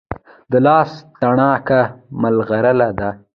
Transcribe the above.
د لاس تڼاکه ملغلره ده.